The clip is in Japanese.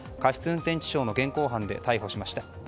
運転致傷の現行犯で逮捕しました。